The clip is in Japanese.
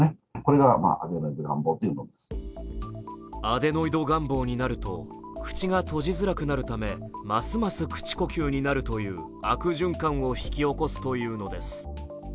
アデノイド顔貌になると口が閉じづらくなるためますます口呼吸になるという悪循環を引き起こすというのです。